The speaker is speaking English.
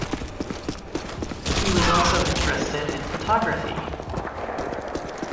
He was also interested in photography.